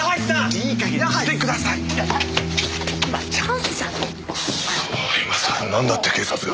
クソいまさらなんだって警察が。